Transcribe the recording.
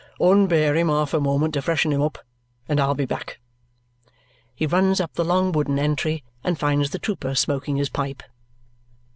"Unbear him half a moment to freshen him up, and I'll be back." He runs up the long wooden entry and finds the trooper smoking his pipe.